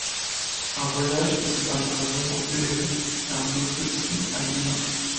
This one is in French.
Voyage qui se terminera donc au Pérou par une exposition à Lima.